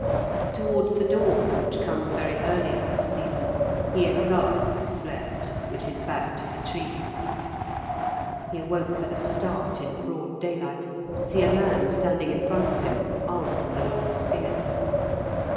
Towards the dawn, which comes very early at that season, he at last slept, with his back to the tree. He awoke with a start in broad daylight, to see a man standing in front of him armed with a long spear.